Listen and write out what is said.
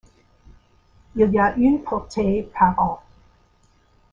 Il y a une portée par an.